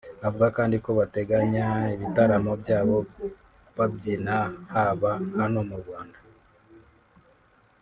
Avuga kandi ko bateganya ibitaramo byabo babyina haba hano mu Rwanda